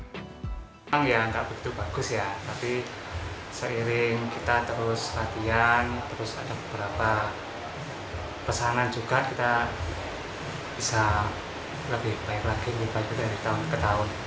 memang ya nggak begitu bagus ya tapi seiring kita terus latihan terus ada beberapa pesanan juga kita bisa lebih baik lagi dari tahun ke tahun